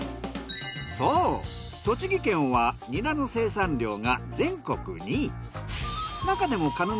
そう栃木県はニラの生産量が全国２位。